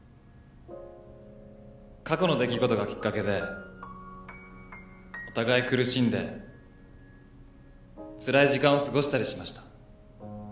過去の出来事がきっかけでお互い苦しんでつらい時間を過ごしたりしました。